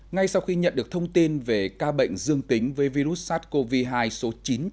ngay sau khi nhận được thông tin về ca bệnh dương tính với virus sars cov hai số chín trăm tám mươi tám